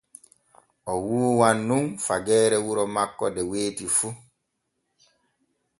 O wuuwan nun fageere wuro makko de weeti fu.